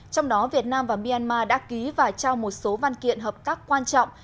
trong đó việt nam và myanmar đã ký và trao một số văn kiện hợp tác quan trọng